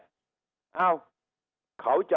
การพรงวด